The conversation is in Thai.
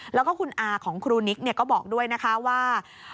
แล้วก็คุณอาของครูนิกก็บอกด้วยนะคะว่า